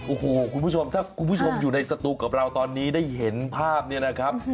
โอ้โหคุณผู้ชมถ้าคุณผู้ชมอยู่ในสตูกับเราตอนนี้ได้เห็นภาพเนี่ยนะครับ